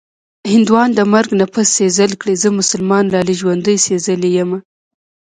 هندوان د مرګ نه پس سېزل کړي-زه مسلمان لالي ژوندۍ سېزلې یمه